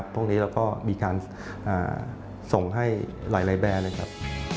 พวกนี้เราก็มีการส่งให้หลายแบรนด์นะครับ